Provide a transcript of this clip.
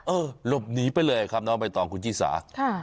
เออหลบหนีไปเลยครับแล้วไปต่อคุณชี่สา